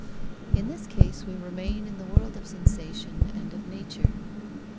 In this case we remain in the world of sensation and of nature.